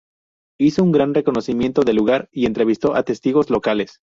Hizo un gran reconocimiento del lugar y entrevistó a testigos locales.